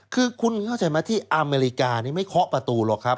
คือคุณเข้าใจไหมที่อเมริกานี่ไม่เคาะประตูหรอกครับ